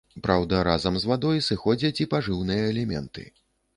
Праўда, разам з вадой сыходзяць і пажыўныя элементы.